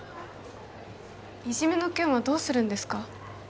いじめの件はどうするんですか？